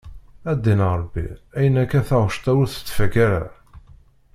A ddin Ṛebbi ayen akka taɣect-a ur tettfakka ara.